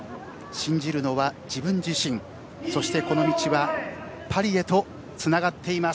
信じるのは自分自身そして、この道はパリへとつながっています。